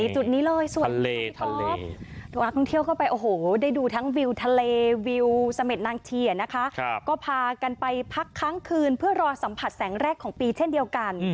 จุดที่สองค่ะ